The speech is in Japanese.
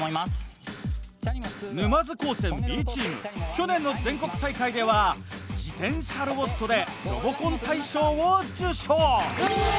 去年の全国大会では自転車ロボットでロボコン大賞を受賞。